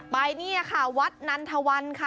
ไปนี่ค่ะวัดนันทวันค่ะ